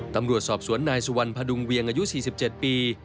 ตำรวจสอบสวนนายสุวรรณพดุงเวียงอายุ๔๗ปี